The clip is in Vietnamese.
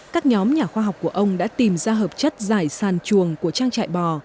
các nhóm nhà khoa học của ông đã tìm ra hợp chất giải sàn chuồng của trang trại bò